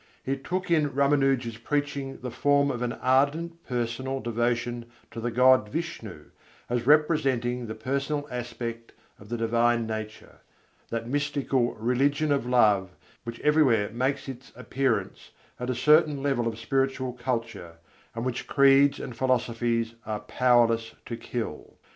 It took in Râmânuja's preaching the form of an ardent personal devotion to the God Vishnu, as representing the personal aspect of the Divine Nature: that mystical "religion of love" which everywhere makes its appearance at a certain level of spiritual culture, and which creeds and philosophies are powerless to kill.